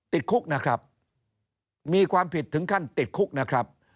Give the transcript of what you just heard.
ติดคุกนะครับ